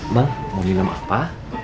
bang mau minum apa